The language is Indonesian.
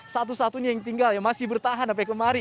satu satunya yang tinggal yang masih bertahan sampai kemari